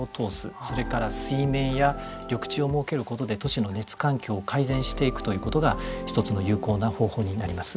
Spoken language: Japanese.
それから水面や緑地を設けることで、都市の熱環境を改善していくということが一つの有効な方法になります。